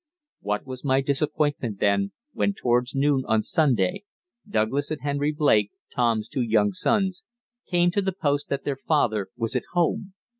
What was my disappointment, then, when towards noon on Sunday Douglas and Henry Blake, Tom's two young sons, came to the post to announce that their father was at home!